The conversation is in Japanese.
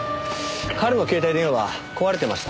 彼の携帯電話は壊れてました。